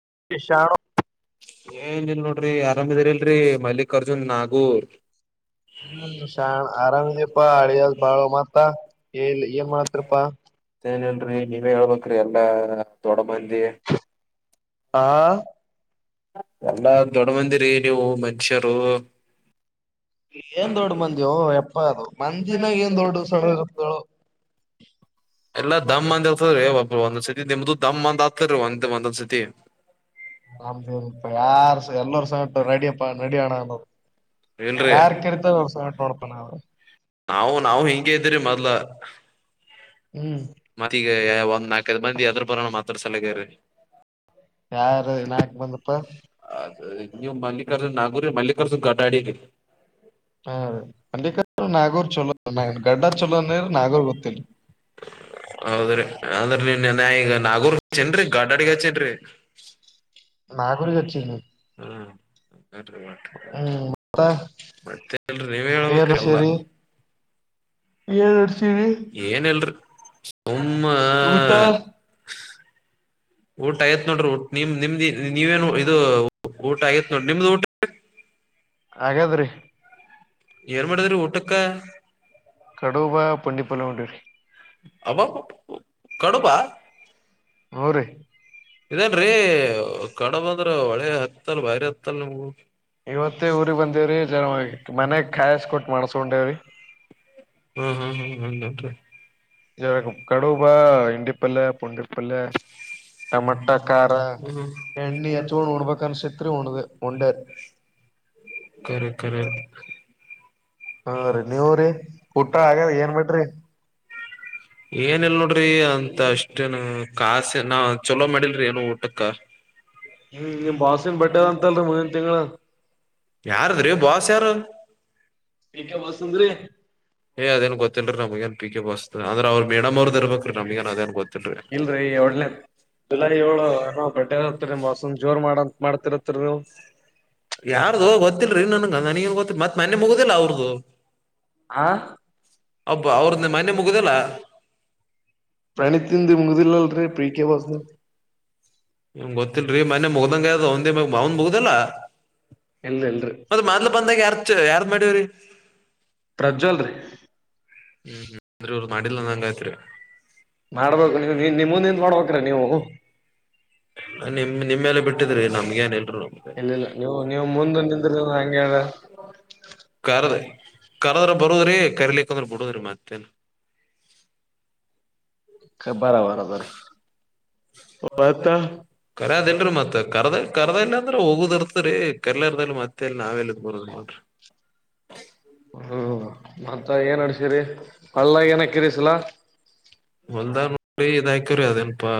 [unintelligible] ಏನಿಲ್ ನೋಡ್ರಿ ಆರಾಮಿದರಿಲ್ರರಿ ಮಲ್ಲಿಕಾರ್ಜುನ್ ನಾಗೂರ್. ಹ್ಮ್ ಶಾಣ ಆರಾಮಿದಪ್ಪಾ ಹಳಿಯ ಬಾಳ ಮತ್ತ ಎಲ್ಲಿ ಏನ್ ಮಾಡತ್ರಪ್ಪಾ? ರೀ ನೀವೇ ಹೇಳ್ಬೇಕ್ರಿ ಎಲ್ಲಾ ದೊಡ್ ಮ ಹಾ ಎಲ್ಲಾ ದೊಡ್ಡ್ ಮಂದಿರಿ ನೀವು ಮನುಷ್ಯರು. ಏನ್ ದೊಡ್ಡ ಮಂದ್ಯೋ? ಪ ಅದು ಮಂದಿನಾಗೇನ್ ದೊಡ್ಡದು ಸಣ್ಣದು ಇರುತ್ತ ಹೇಳು. ಎಲ್ಲಾ ದಮ್ಂದೊತರಿ ಒಬ್ಬ ಒಂದ್ ಸತಿ ನಿಮ್ದು ದಮ್ ಅಂದ್ ಆಗ್ತದೀ ಒಂದ್ ಒಂದೊಂದ್ ಸತಿ ನಮ್ ಯಾರ ಎಲ್ಲರ ಸಗರು ನಡಿಯಪ್ಪ ನಡಿಯೋಣ ಅನ್ನೋರು ಇಲ್ರಿ ಯಾರ್ ಕರಿತ ಅವ ಸ ನೋಡ [unintelligible] ನಾವು ನಾವು ಹಿಂಗೆ ಇದ್ದ್ರರಿ ಮೊದ್ಲು. ಹ್ಮ್ ಮತ್ತೀಗ ಒಂದ್ ನಾಲ್ಕೈದ ಮಂದಿ ಅದ್ರ ಬರೋಣ ಮಾತ್ರ ಸಲಗೇರಿ. ಯಾರು ನಾಕ್ ಮಂದಿಪ್ಪ? ನೀವು ಮಲ್ಲಿಕಾರ್ಜುನಾಗೂರಿ ಮಲ್ಲಿಕಾರ್ಜುನ್ ಗಟಾಡಿದಿ ಹಾರಿ ಮಲ್ಲಿಕ್ ನಾಗೂರ್ ಚಲೋ ಗಡ್ಡ ಚಲೋನ್ರ ನಾಗೋರ್ಗೋಗ್ತಿನ್. ಹೌದ್ರಿ ಅಂದ್ರ ನೆನ್ನ್ ಈಗ ನಾಗೂರ್ಗಚ್ಚೆನ್ ಗಡಡಿಗ ಹಚ್ಚನ್ ರಿ. ನಾಗೂರಿಗ್ ಹಚ್ಚೇನ್ರಿ. ಹ್ಮ ಹ ಹ್ಮ್ ಮತ್ತ ಮತ್ತೆನ್ರಿ ನೀವ ಹೇಳ್ಬೇಕು ಎಲ್ಲ. ಏನಡಸಿರಿ? ಹ ಉಮ್ಮ ಊಟ ಆಯ್ತ್ ನೋಡ್ರಿ ನಿಮ್ ನಿಮ್ದ ನೀವೇನು ಇದು ಊಟ ಆಯ್ತ್ ನೋಡ್ರಿ ನಿಮ್ದ ಊಟ ಆಗ್ಯಾದ್ರಿ. ಏನ್ ಮಾಡದ್ರಿ ಊಟಕ್ಕ? ಕಡುಬ ಪುಂಡಿಪಲ್ಯಾ ಉಂಡ್ವಿರಿ. ಅಬಾಬಾ ಬಾ ಕಡುಬ? ಹೋ ರೀ. ಇದೇನ್ರೀ ಕೋ ಕಡಬಂದ್ರ ಒಳೆ ಹತ್ತಲ್ ಬಾರಿ ಹತ್ತಲ್ ನಿಮಗು. ಇವತ್ತೇ ಊರಿಗೆ ಬಂದೇವ್ರಿ [unintelligible] ಮನೆಗ್ ಕಾಯಸ್ಕೊಟ್ ಮಾಡಸ್ಕೊಂಡೇವಿ. ಹ್ಮ [unintelligible] [unintelligible] ಕಡಬಾ ಹಂಡಿಪಲ್ಲೆ ಪೊಂಡಿಪಲ್ಲೆ. ಹಚ್ಕೊಂಡ್ ಉಣ್ಬೇಕ್ ಅನ್ಸಿತ್ರಿ ಉಣ್ದ ಉಂಡೇರಿ ಕರೆ ಕರೆ. ಹ. ಹಾ ರೀ ನೀವ್ರೀ ಊಟ ಆಗ್ಯಾದ [unintelligible] ಏನ್ ಮಾಡ್ರಿ ಏನ ಇಲ್ ನೋಡ್ರಿ ಅ. ಅಷ್ಟೇ ನಾ ಕಾಸಿ ನಾ ಚೊಲೋ ಮಾಡಿಲ್ರಿ ಏನು ಊಟಕ್ಕ. ಹ್ಮ್ ನಿಮ್ಮ ಬಾಸಿನ್ ಬಡೇ ಅಂತಲ್ರಿ ಮ [unintelligible] ಯಾರದ್ರಿ ಬಾಸ್ ಯಾರು. ಬಿಕೆ ವಾಸುಂದ್ರಿ. ಏ ಅದೆನ ಗೊತ್ತಲ್ರಿ ನಮಗಏನ್ ಪಿಕೆ ಬಾಸ್ ದ ಅವ್ರ ಮೇಡಂ ಅವದ ಇಬೇಕ್ರೀ ನಮಗನ್ ಅದೇನ್ ಗೊತ್ತ ಇಲ್ರರಿ ಏಡ್ನೇ ಜುಲೈ ಏಳು ಬರ್ಡೆ ಇರತ್ತ ಮಸೂಮ್ ಜೋರ್ ಮಾಡಂತ ಮಾಡ್ತಿರತ್ರಿ ನೀವು. ಯಾರ್ದೋ ಗೊತ್ತಿಲ್ರಿ ನನ್ಗೆ ನನಗ ಗೊತ್ತ ಮತ್ ಮನ್ನೆ ಮುಗುದಿಲ್ಲ ಅವ್ರ್ದದು. ಆ ಹಬ್ಬ ಅವ್ರದ ಮನ್ನೆ ಮುಗದಿಲ್ಲ. ಪ್ರಣಿತಿಂದ ಮುಗಿದಿಲ್ಲಲ್ರೀ ಪಿ ಕೆ ಬಾಸದ. ಏನ್ ಗೊತ್ತಿಲ್ರಿ ಮೊನ್ನೆ ಮುಗ್ದಂಗ ಆಗದ ಅವಂದೆನ ಅವಂದ ಮುಗ್ದಿಲ್ಲಾ. ಇಲ್ ಇಲ್ರಿ ಮತ್ತೆ ಮೊದ್ಲು ಬಂದಾಗ ಯಾರದ ಚ ಯಾರ್ ಮ [unintelligible] ಪ್ರಜ್ವಲ್ ರೀ ಹ್ಮ್ ಹ್ಮ್ ಅ್ರ ಮಾಡಿಲ್ಲ ಅಂದಂಗ ಆಯ್ತ್ರಿ. ಮಾಡ್ಬೇಕು ನೀವು ನೀ ನಿಮ್ಮಂದಿಂದ ಮಾಡ್ಬೇಕ್ರ ನೀವು. ನಿಮ ನಿಮಮ್ಮೆಲ್ಲ ಬಿಟ್ಟಿದ್ರಿ ನಮ್ಗೇಏನಿಲ್. ಇಲ್ಲಿಲ್ಲ ನೀವು ನೀವು ಮುಂದ ನಿಂದ್ರ ಹಂಗೆ [unintelligible] ಕರದ ಕರದ್ರ ಬರುದ್ರಿ ಕರಿಲಿಕ್ಕ ಬಿಡುದರಿ ಮತ್ತೇನೆ. [unintelligible] ಅದರರಿ. ಕರದೇನ್ರಿ ಮತ್ತ ಕರದ. ಕರ್ದಲ್ಲ ಅಂದ್ರ ಹೋಗುದ ಇರ್ತರಿ ಕರ್ಲ ಇರ್ದದಲ್ಲಿ ಮತ್ತೆಲ್ಲಿ ನಾವೆಲ್ಲ ಬರ್ದ್ ನೋಡ್ರಿ. ಹ್ಮ ಮತ್ತ ಏನ್ ಅಡ್ಸೀರಿ. ಹೊಲ್ದಾಗ ಏನ್ ಹಾಕಿರಿ ಈ ಸರ. ಹೊಲ್ದ ನೋರಿ ಇದಾಕಿರಿ ಅದನಪಾ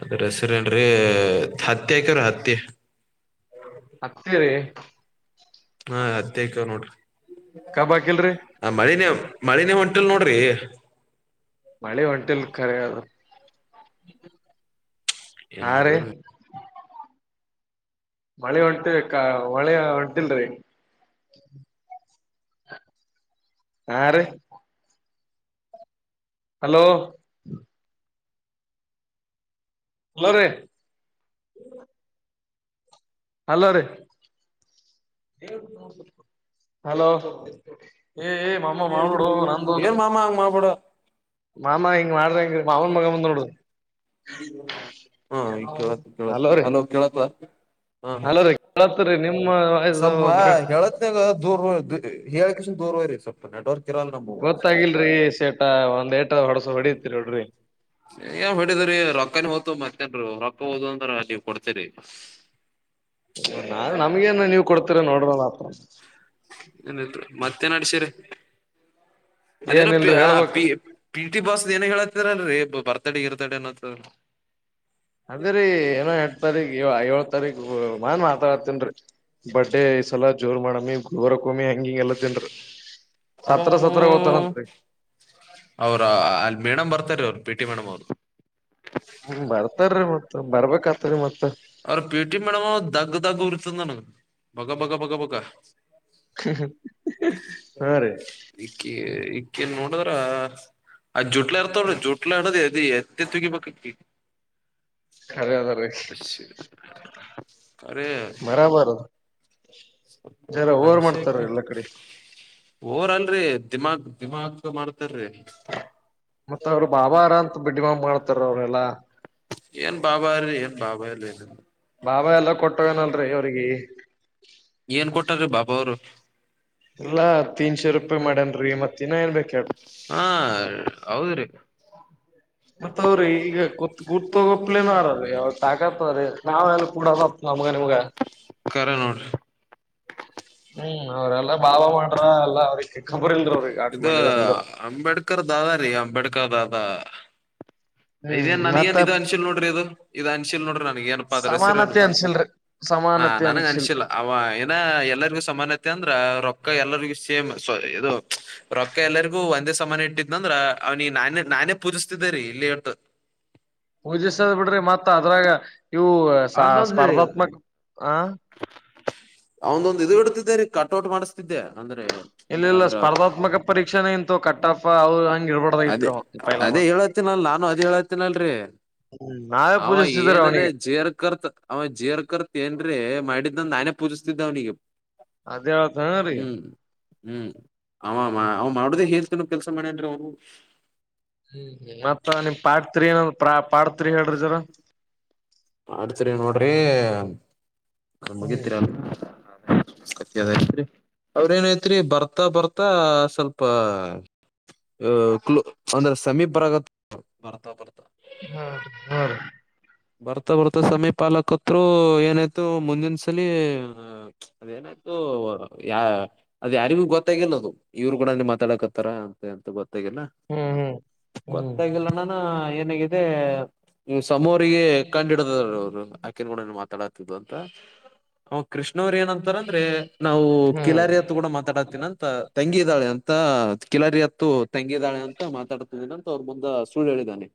ಅದ ರೆಸರೆನ್ರೀ ಹತ್ತಿ ಅಕ್ಯರ ಹತ್ತಿ. ಹತ್ತಿ. [inaudible] ಹಾ ಹತ್ತಿ ಹಾಕ್ಯಾವ್ ನೋಡ್ರಿ ಕಬ್ ಹಾಕಿಲ್ರಿ ಆ ಮಳಿನೇ ಮಳಿನೇ ಹೊಂ ಇಲ್ ನೋಡ್ರಿ. ಮಳೆ ಹೊಂಟಲ್ ಖರೇ ಅದು. ಏನ್ ಮಾಡೋದು. ಮಳೆ ಹೊಂಟ್ ಮಳೆ ಹೊಂಟಿಲ್ರೀ ಹಾ ರೀ ಹಲೋ ಹಲೋ ರಿ ಹಲೋ ರೀ ಹಲೋ ಏ ಏ ಮಾಮಾ ಮಾಡಬೊಡೊ ನಂದೋ ಏನ್ ಮಾಮ ಹಂಗ್ ಮಾಡ್ಬೇಡ ಮಾಮಾ ಇಂಗ್ ಮಾಡಿದಂಗ ಮಾವೂನ್ ಮಗಾ ಬಂದ ನೋಡು. ಹಾ ಈ ಕೇಳತ್ ಕೇಳತ್ ಅಲೋ ಕೇಳತ್. ಹ ಅಲ್ಲೋರಿ ಕೇಳುತ್ತಾರಿ ನಿಮ್ಮ ವಾಯ್ಸ್ ಬ್ರೇಕ್. ಹಿಳ್ ಕಾಸಿಂದ್ ದೂರ ಹೋಗ್ರಿ ಸಪ್ಪ ನೆಟವರ್ಕ್ [unintelligible] ಗೊತ್ತಾಗಿಲ್ರೀ ಶೇಟ ಒಂದ್ ಎಟ್ ಅದಾವ್ ಹೊಡ್. ಏನು ಹೊಡೆದ್ರಿ ರಕ್ಕನೆ ಓತವ್. ಮಕ್ಕನ್ರು ಹೊಕ್ಕ ಹೋದುವು ಅಂದ್ರ ಅಲ್ಲಿ ಕೊಡ್ತಿವ್ರೀ. ನಾ ನಮ್ಗೇ ಏನ್ ನೀವ್ ಕೊಡ್ತಿರಿ ಏನ್ ನೋಡ್ರ ಆತ. [inaudible] ಏನ್ತ್ ಮತ್ತೆ ನಾಡಿಶಿರಿ. ಅದೇನೋ ಪಿ ಏನಿಲ್ರಿ ಹೇಳ್ಬೇಕು ಪಿ ಟಿ ಬಸ್. ಏನ್ ಹೇಳತ್ತರಲ್ರಿ ಬರ್ತಾಡ ಗಿರ್ತಾಡೆ ಅನ್ನತ್ತದ. ಅದೇರೀ ಏನೋ [unintelligible] ಏಳ ತಾರೀಕು ಮನ್ ಮಾತಾಡ್ತನ್ರಿ ಬಡ್ಡೇ ಈ ಸಲ ಜೋರ್ ಮಾಡಮ್ ಇಗೋರ್. ಭೂಮಿ ಹಂಗಿಂಗ ಎಲ್ಲ ತಿನ್ರಿ ಅಬೋ ಸತ್ರ ಸತ್ರರ ಹೋಗ್ತಾನಂತ್ರಿ. ಅವ್ರ ಅಲ್ಲಿ ಮೇಡಮ್ ಬರ್ತಾರೆ ಅವ್ರು ಪಿ ಟಿ ಮೇಡಮ್ ಅವ್ರು. ಹ್ಮ್ ಬರ್ತಾರ್ರಿ ಮತ್ತ ಬರ್ಬೇಕಾತರಿ ಮತ್ತ ಅವ್ರ ಪಿಟಿ ಮೇಡಮ್ ದಗ್ಗು ದಗ್ಗು ಉರುತದ್ ನನ್ಗೆ. ಬಗ ಬಗ ಬಗ ಬಗ. ಹಾ ರೀ ಈಕೆ ಈಕ್ಕೆನೋ ಹಾ ಆ ಜುಟ್ಲೆರತೋರಿ ಜುಟ್ಲಾಡದಿ ರಿ ಎತ್ತಿ ತೆಗಿಬೇಕು ಅಕಿ ಖರೆ ಅದರಿ ಖರೆ ಬರಬಾರದು ಜರ ಹಾ ಓವರ್ ಮಾಡ್ತಾರ ಮನುಷ್ಯಕಿ ಎಲ್ಲಾ ಕಡೆ ಓವರ್ ಅಲ್ರೀ ದಿಮಾಕ್ ದಿಮಾಕು ಮಾಡ ಮತ್ತ ಅವ್ರು ಬಾವಿರ ಅಂತ ಬಿಡ್ಡಿಮಾಮ್ ಮಾಡ್ತಾರ ಅವರೆಲ್ಲಾ. ಏನ್ ಬಾಬಾರೀ ಏನ್ ಬಾಬಾ ಇಲ್ಲ ಬಾಬಾ ಎಲ್ಲಾ ಕೊಟ್ಟೋಗನಲ್ರಿ ಅವ್ರಿಗಿ ಏನ್ ಕೊಟ್ಟಾರೀ ಬಾಬಿ ಅವರು ಎಲ್ಲಾ ತೀನ್ಶೇ ರೂಪಾಯಿ ಮಾಡ್ಯನ್ರಿ ಮತ್ ಇನ್ನ ಏನ್ ಬೇಕ್ ಹೇಳ್ರಿ ಹಾ ಹೌದ್ರಿ. ಮತ್ತ ಅವ್ರ ಈಗತ್ ಗುರ್ತೋಗೋಪ್ಲೇನ ಆರದು ಯಾವ ತಾಗ [unintelligible] ನಾವೆಲ್ಲ ಕೂಡದಪ್ ಕರೆ ನೋಡ್ರಿ ಹ್ಮ್ ಅವ್ರೆಲ್ಲಾ ಬಾಬಾ ಮಾಡ್ರ ಎಲ್ಲಾ ಅವ್ರಿಗೆ ಖಬರ್ ಇಲ್ರಿ ಅವ್ರಿಗೆ ಆಟ ಇದು ಮಾಡಿದಾರಂದ ಅಂಬೇಡ್ಕರ್ ದಾದ ರೀ ಅಂಬೇಡ್ಕರ್ ದಾದಾ. ಹ್ಮ್ ಇದೇನ್ ನನ್ಗ ಮತ್ತ ಏನ್ ಇದ ಅನ್ಶೀಲ್ ನೋಡ್ರಿ ಇದು ಇದ ಅನ್ಶಿಲ್ ನೋಡ್ರಿ ನನ್ಗ ಏನಪ್ಪಾ ಅದರ್ ಹೆಸರೇನು? ಸಮಾನತೆ ಅನ್ಸಿಲ್ರಿ ಹಾ ಸಮಾನತೆ ನನಗ್ ಅನ್ಸಿಲ್ ಅನ್ಸಿಲ್ಲ ಅವ ಏನ ಎಲ್ಲರಿಗೂ ಸಮಾನತೆ ಅಂದ್ರ ರೊಕ್ಕ ಎಲ್ಲರ ದು ಸೇಮ್ ಸಾರಿ ಇದು ರೊಕ್ಕ ಎಲ್ಲರಿಗು ಒಂದೇ ಸಮಾನ ಇಟ್ಟಿದ್ನಂದ್ರ ಅವ್ನಿಗ್ ನಾನೇ ನಾನೇ ಪೂಜಿಸ್ತಿದ್ದೇರೀ ಇಲ್ಲಿ ಎಟು. ಪೂಜಿಸವ್ ಬಿಡ್ರಿ ಮತ್ತ್ ಅದ್ರಾಗ ಇವು ಅವನೊಂದು ಸ್ಪರ್ಧಾತ್ಮಕ್ ಆ ಅವಂದೊಂದು ಇದು ಇಡ್ತಿದ್ದೆ ರೀ ಕಟೌಟ್ ಮಾಡಿಸ್ತಿದ್ದೆ ಅಂದ್ರೆ ಅದ್ರ ಇಲ್ಲ ಇಲ್ಲ ಸ್ಪರ್ಧಾತ್ಮಕ ಪರೀಕ್ಷೆನೇ ಇಂತವ್ ಕಟ್ಟಪ್ಪ ಅವು ಹಂಗ ಅದೇ ಇರ್ಬಾರ್ದಾಗಿತ್ರಿ ಅವ ಪೈಲ ಅದೇ ಮತ್ ಹೇಳತ್ತಿನಲ್ ನಾನು ಅದೇ ಹೇಳತ್ತಿನಲ್ರರಿ ಹ್ಮ್ ನಾವೇ ಅವ ಪೂಜಿಸ್ತಿದ್ರಿ ಏನರ್ ಅವನಿಗೆ ಜೇರ್ ಕರ್ತ್ ಅವ ಜೇರ್ ಕರ್ತ್ ಏನ್ರೀ ಮಾಡ ಇ [unintelligible] ಪೂಜಿಸ್ತಿದ್ದವನಿಗೆ. ಅದೇಳ್ತನ ರೀ. ಹ್ಮ್ ಅವ ಅವ ಮಾಡುದೇ ಹೇಲು ತಿನ್ನೋ ಕೆಲ್ಸ ಮಾಡೌನ್ರಿ ಅವನು. ಹ್ಮ್ ಹ್ಮ್ ಮತ್ತ ಪಠ. Criminal prop. ಮಾಡ್ತೀವಿ ಹೇಳ್ರಿ ಸರ. ಮಾಡ್ತೀರಿ ನೋಡ್ರಿ. ನ ಹ್ಮ್ ಮುಗಿತ್ರಿ ಎಲ್ಲ. ಸತ್ರಿ ಅವರೇನಾಯ್ತ್ರಿ ಬರ್ತಾ ಬರ್ತಾ ಸ್ವಲ್ಪ ಕ್ಲೂ ಅಂದ್ರ ಸಮೀಪ ಬರಕತ್. ಹಾ ಹೌ ರೀ. ಬರ್ತಾ ಬರ್ತಾ ಸಮೀಪಲ ಕತೃ ಏನಾಯ್ತು ಮುಂದಿನ ಸಲಿ ಅದೇನಾಯ್ತು ಯ ಅದ ಯಾರಿಗೂ ಗೊತ್ತಾಗಿಲ್ಲ ಅದು ಇವ್ರ ಕೂಡ ಮಾತಾಡಕತ್ತಾರ ಅಂತ ಎಂತ ಗೊತ್ತ. ಹ್ಮ್ ಹ್ಮ್ ಹ್ಮ್ ಗೊತ್ತಾಗಿಲ್ಲ ನಾನು ಏನಗಿದೆ. ನಿಮ್ ಸಮ. ಅವರಿಗೆ ಕಂಡ ಹಿಡಿದಾರ್ ಅವರು ಹಾಕಿನಿ ಕೂಡ. ತಳತಿದ್ದು ಅಂತ ಅವ ಕೃಷ್ಣವ್ರ ಏನಂತಾರ ಅಂದ್ರೆ. ನಾವು ಹ್ಮ್ ಕಿಲಾರಿ ಹತ್ ಕೂಡ ಮಾತಾಡಾತೀನ ಅಂತ. ತಂಗಿ ಇದಾಳೆ ಅಂತ ಕಿಲರಿ ಹತ್ತು ತಂಗಿದ್ದಾಳೆ ಅಂತ ಮಾತಾಡತಿದ್ದೇನ ಅಂತ ಅವ್ರ ಮುಂದ ಸುಳ್ಳು ಹೇಳಿದ್ದಾನೆ.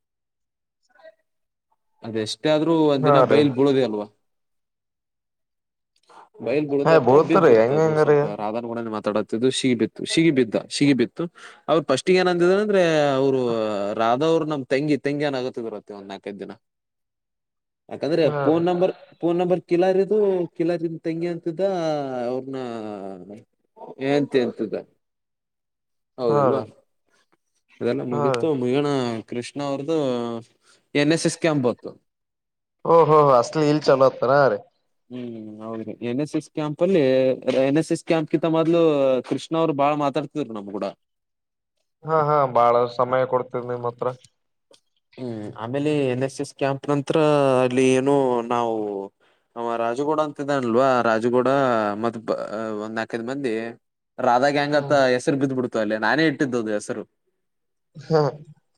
ಅದೆ ಎಷ್ಟೇ ಆದ್ರೂ ಒಂದ ಹಾ ದಿನ ರೀ ಬೈಲ್ಗೆ ಬಬೀಳದೆ ಅಲ್ವಾ. ಬಯಲ್ ಹಾ ಬೀಳುತ್ತೆ ಅಥವಾ ಬಿದ್ದ್ ಬೀಳ್ತರಿ ಬಿಡ್ತು ಹೆಂಗ ಅದು ಹೆಂಗರಿ ಸ್ವಲ್ಪ ರಾಧನ್ ಗುಡ. ತಡತ್ತಿದ್ದು ಸಿಗಿ ಬಿತ್ತು ಸಿಗಿ ಬಿದ್ದ ಸಿಗಿ ಬಿತ್ತು ಅವ್ರರು ಪಫಸ್ಟ್ಗೆ ಏನ್ಂದಿದ ಅಂದ್ರೆ ಅವ್ರು ರಾಧವ್ರು ನಮ್ ತೆಂಗಿ ತಂಗಿ ಅನ್ ಆಗತ್ತ ಬರತ್ತೆ ಒಂದ್ ನಾಲ್ಕೈದು ದಿನ. ಯಾಕಂದ್ರೆ ಹಾ ಫೋನ್ ರೀ ನಂಬರ್ ನಂಬರ್ ಕೇಳಿದ್ರೆ. ಕಿಲಾರಿನಾ ತಂಗಿ ಅಂತಿದ ಅವ್ರನ್ನ. ಹೆಂಡತಿ ಅಂತಿದ್ದ. ಹಾ ಹೌದಲ್ವಾ ರೀ ಅದೆಲ್ಲ ಹಾ ರೀ ಮುಗೀತು ಮುಗಿಯೋಣ. ಕೃಷ್ಣ ಅವ್ರ್ದು ನ್ ಏನ್ ಎಸ್. ಎಸ್ ಕ್ಯಾಂಪ್ ಬಂತು ಓ ಹೋ ಹ ಅಸ್ಲೀ ಇಲ್ ಚಲತ್ರ ಅ ರೇ. ಹ್ಮ್ ಹೌದ್ರಿ ಎನ್ ಎಸ್ ಎಸ್ ಕ್ಯಾಂಪ್ ಅಲ್ಲಿ ಎನ್ ಎಸ್ ಎಸ್ ಕ್ಯಾಂಪ್ ಕಿಂತ ಮದ್ಲು ಕೃಷ್ಣ ಅವ್ರು ಬಾಳ ಮಾತಾಡ್ತಿದ್ರು ನಮ್ ಕೂಡ. ಹಾ ಹಾ ಬಾಳ ಸಮಯ ಕೊಡ್ತಿದ್ ನಿಮ್ಮ ಹತ್ರ. ಹ್ಮ್ ಆಮೇಲೆ ಎನ್ ಎಸ್ ಎಸ್ ಕ್ಯಾಂಪ್ ನಂತ್ರ ಅಲ್ಲಿ ಏನು ನಾವು ರಾಜಗೋಡ ಅಂತಿದ್ದಾನಲ್ವಾ ರಾಜಗೋಡ ಮತ್ ಒಂದ್ ನಾಲ್ಕೈದು ಮಂದಿ. ರಾಧಾ ಹೆಂಗತ್ತ ಹೆಸರು ಬಿದ್ದ್ ಬಿಡ್ತು. ಅಲ್ಲೇ ನಾನೇ ಇಟ್ಟಿದ್ದದು ಹೆಸರು. ಹಾ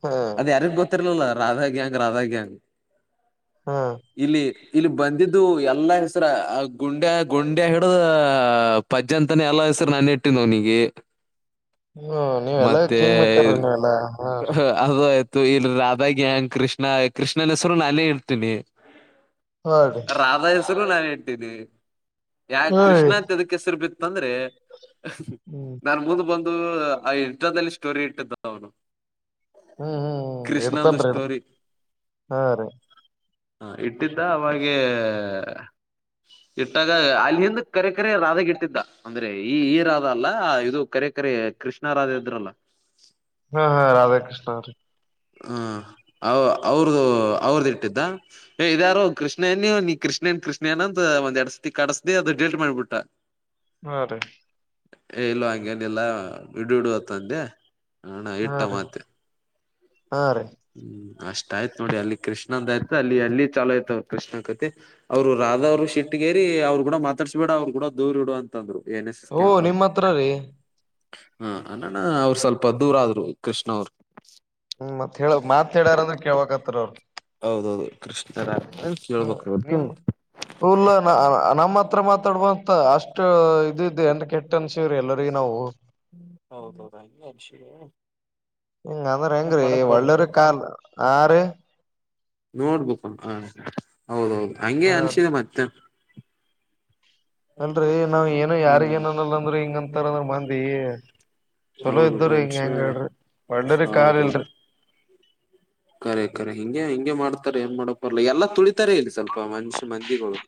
ಹಾ. ಅದ ಯಾರಿಗ್ ಗೊತ್ತಿರ್ಲಿಲ್ಲ ರಾಧಾ ಗ್ಯಾಂಗ್ ರಾಧಾ ಗ್ಯಾಂಗ್. ಹಾ ಇಲ್ಲಿ ಇಲ್ಲಿ ಬಂದಿದ್. ಇದು ಎಲ್ಲಾ ಹೆಸರ. ಗುಂಡೆ ಗುಂಡೆ ಹಿಡುದ. ಆ ಪಜ್ಜಂತನೇ ಎಲ್ಲ ಹೆಸರು ನಾನ ಇಟ್ಟಿದ್ ಅವ್ನಿಗೆ. ಹ್ಮ ನೀವೆಲ್ಲ ಕಿಂಗ್ ಮೇಕ್ರೀ ನೀವೆಲ್ಲಾ ಹಾ ರೀ [unintelligible] ರಾಧಾ ಗ್ಯಾಂಗ್ ಕೃಷ್ಣ ಕೃಷ್ಣನ ಹೆಸರು ನಾನೇ ಇರ್ತೀನಿ. ಹಾ ರೀ ರಾಧಾ ಹೆಸರು ನಾನೆ ಇಟಿನಿ. ಯಾಕ ಹಾ ಕೃಷ್ಣ ರೀ ಅಂತ ಯದಕ್ಕೆ ಹೆಸರು ಬಿತ್ತಂದ್ರೆ ಹ್ಮ್ ನಾ ಮುಂದ್ ಬಂದು. ಇನ್ಸ್ಟಾದಲ್ಲಿ ಸ್ಟೋರಿ ಇಟ್ಟಿದ್ದ ಅವ್ನು. ಹ್ಮ್ ಹ್ಮ್ ಹ್ಮ್ ಹ್ಮ ಇಡ್ತಾನ್ ರೀ ಇಡ್ತಾನ್ ಹಾ ರೀ ಹ ಇಟ್ಟಿದ್ದ ಅವಾಗೆ ಇಟ್ಟಾಗ ಅಲ್ಲಿ ಹಿಂದ್ ಕರೆಕರೆ ರಾಧಾಗ ಇಟ್ಟಿದ್ದ ಅಂದ್ರೆ ಈ ಈ ರಾಧ ಅಲ್ಲ ಇದು ಕರೆಕರೆ. ಕೃಷ್ಣರಾಧ ಇದ್ರಲ್ಲ. ಹಾ ಹಾ ರಾಧಾಕೃಷ್ಣ ಅವ್ರಿ ಹ ಅವ ಅವ್ರದು ಅವ್ರದ ಇಟ್ಟಿದ್ದ ಏ ಇದ್ಯಾರು ಕೃಷ್ಣಯನ ನೀ ಕೃಷ್ಣೇನ್ ಕೃಷ್ಣಯನ ಅಂತ ಒಂದ್ ಎಡಸ್ದಿ ಕಡಸ್ದಿ ಅದ ಡೀಲಿಟ್ ಮಾಡ್ಬಿಟ್ಟ. ಹಾ ರೀ ಹೇ ಇಲ್ಲ ಹಂಗನ್ ಇಲ್ಲ ಇಡು ಇಡು ಅಂಥ ಅಂದೆ. ಹಣಾ ಹಾ ಇಟ್ಟ ರೀ ಮಾತ್ತೆ. ಹಾ ರೀ ಹ್ಮ್ ಅಷ್ ಆಯ್ತ್ ನೋಡಿ ಅಲ್ಲಿ ಕೃಷ್ಣಂದ ಆಯ್ತು ಅಲ್ಲಿ ಅಲ್ಲಿ ಚಲುವ್ ಆಯ್ತ್ ಅವ್ರ್ ಕೃಷ್ಣ ಕತಿ ಅವರು ರಾಧವರು ಶಿಟ್ಟಗೇರಿ ಅವರು ಕೂಡ ಮಾತಾಡ್ಸಬೇಡ ಅವ್ರು ಕೂಡ ದೂರ್ ಇಡು ಅಂತಂದರು. ಓ ನಿಮ್ಮ ಹತ್ರ ರೀ. ಹಾ ಅನನ ಅವರು ಸ್ವಲ್ಪ ದೂರ ಆದ್ರು ಕೃಷ್ಣ ಅವರು. ಹ್ಮ್ ಮತ್ ಹೇಳ ಮಾತ್ ಹೇಳ್ಯಾರಂದ್ರೆ ಕೇಳಳ್ಬೇಕ್. ಪತ್ರ ಅವ್ರ್ ಅದ್ದು ಹ ನಿಮ್ ಉಲ್ಲ ನಮ್ ನಮ್ತ್. ಮಾತ್ರ ಮಾತಾಡುಬಾ. ಅಷ್ಟ ಇದು ಇದು ಎಂತ್ ಕೇಟ್ ಅಂಷಿವ್ರಿ ಎಲ್ಲರಿಗ್ ನಾವು ಹೌದೌದು ಹಂಗೆ ಅನ್ಸಿದೆ ಇಂಗ್ ಅಂದ್ರ ಏನ್ ಹೆಂಗ್ರೀ ಮಾಡಕ್ ಬರಲ್ಲ ಒಳ್ಳರಿ ಕಲ್ ಆ ರೀ. ನೋಡ್ಬುಕ್ ಹ ಹೌದೌದು. ಹಂಗೆ ಹ ಅನ್ಸಿದೆ ಮತ್ತೆ ಏನ್. ಅಲ್ರರಿ ಹ್ಮ ನಾವ್ ಏನು ಯಾರಿಗ ಏನ ಅನ್ನಲ್ಲ ಅಂದ್ರ ಹಿಂಗ ಅಂತಾರಂದ್ರ ಮಂದಿ ಚಲೋ ಹೌದು ಇದ್ದವ್ರ ಹಿಂಗ ಮನುಷ್ಯ ಹೆಂಗ ಹೇಳ್ರಿ ಒಳ್ಳೇರಿ ಕಾಲ್ ಹೌದೌದು ಇಲ್ರಿ ಕರೆ ಕರೆ ಹಿಂಗೆ ಹ ಮಾಡ್ತಾರೆ ಏನ್ ಮಾಡ್ಲಿಕ್ ಬರಲ್ಲ ಎಲ್ಲ ತುಳಿತಾರೆ ಇಲ್ಲಿ ಸ್ವಲ್ಪ್ ಅ ಮನುಷ್ಯ ಮಂದಿಗಳು.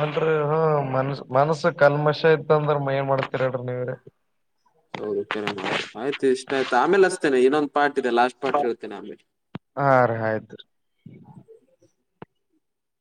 ಅಲ್ರಿ ಹ ಮನುಷ್ ಮನಸ ಕಲ್ಮಶ ಇತ್ತಂದ್ರೆ ಏನ್ ಮಾಡ್ [unintelligible] ಹೌದು ಕರ ಮಾತ ಆಯ್ತು ಇಷ್ಟ ಆಯ್ತು ಆಮೇಲೆ ಅಷ್ಟೆನೆ ಇನ್ನೊಂದು ಪಾರ್ಟ್ ಇದೆ ಲಾಸ್ಟ್ ಪಾರ್ಟ್ ಹೇಳ್ತೇನ ಆಮೇಲ್. ಹಾ ರೀ ಆಯ್ತು